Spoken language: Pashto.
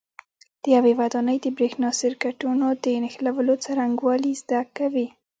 د یوې ودانۍ د برېښنا سرکټونو د نښلولو څرنګوالي زده کوئ.